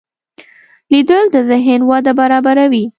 لیدل د ذهن وده برابروي